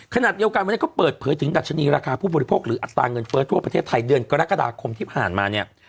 ขณะเดียวกันวันนี้ก็เปิดเผยถึงดัชนีราคาผู้บริโภคหรืออัตราเงินเฟ้อทั่วประเทศไทยเดือนกรกฎาคมที่ผ่านมาเนี่ย